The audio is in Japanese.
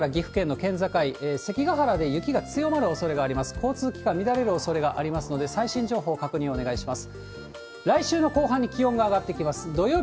交通機関乱れるおそれがありますので、最新情報、確認お願いします。